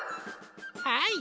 はい！